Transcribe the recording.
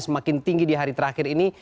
semakin tinggi di hari terakhir ini